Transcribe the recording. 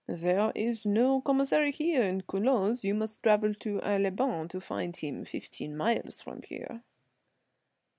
"There is no Commissary here in Culoz. You must travel to Aix les Bains to find him. Fifteen miles from here."